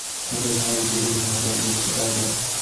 সকল সমাজেই দুইটি বিভিন্ন দল দেখিতে পাওয়া যায়।